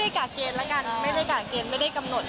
เอ่อมีความเต้นเอ่อเอามาไม่ได้กะเกณฑ์แล้วกัน